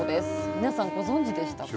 皆さんご存じでしたか？